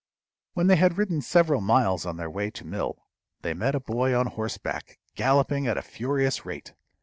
When they had ridden several miles on their way to mill, they met a boy on horseback galloping at a furious rate.